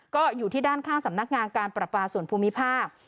ก็อยู่ที่ด้านข้างสำนักงานการประปาส่วนภูมิภาค